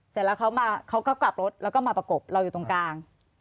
เสร็จแล้วเขาก็กลับรถแล้วก็มาประกบเราอยู่ตรงกลาง